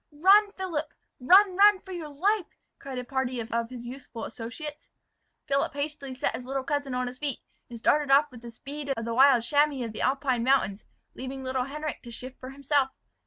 "Run, Philip, run run for your life!" cried a party of his youthful associates. Philip hastily set his little cousin on his feet, and started off with the speed of the wild chamois of the Alpine mountains; leaving little Henric to shift for himself.